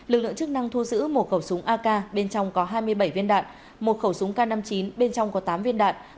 lực lượng chức năng thu giữ một khẩu súng ak bên trong có hai mươi bảy viên đạn một khẩu súng k năm mươi chín bên trong có tám viên đạn